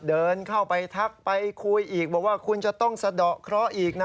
เดินเข้าไปทักไปคุยอีกบอกว่าคุณจะต้องสะดอกเคราะห์อีกนะ